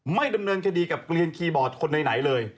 ไม่ดำเนินคดีกับเกลียนคีย์บอร์ดคนไหนเลย